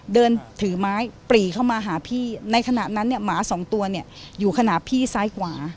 เดินถือไม้ปรีเข้ามาหาพี่ในขณะนั้นเนี่ยหมาสองตัวเนี่ยอยู่ขณะพี่ซ้ายขวา